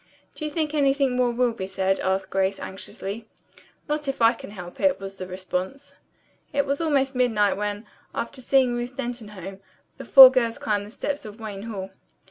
"Do you think anything more will be said?" asked Grace anxiously. "Not if I can help it," was the response. It was almost midnight when, after seeing Ruth Denton home, the four girls climbed the steps of Wayne Hall.